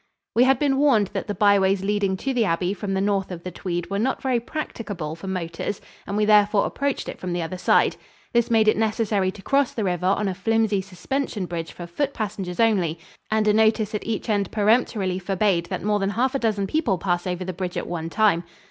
We had been warned that the byways leading to the abbey from the north of the Tweed were not very practicable for motors and we therefore approached it from the other side. This made it necessary to cross the river on a flimsy suspension bridge for foot passengers only, and a notice at each end peremptorily forbade that more than half a dozen people pass over the bridge at one time.